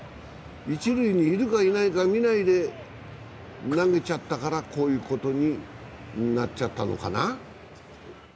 一塁にいるかいないか見ないで投げちゃったからこういうことになっちゃったのかな。